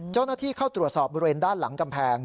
เจ้าหน้าที่เข้าตรวจสอบบริเวณด้านหลังกำแพง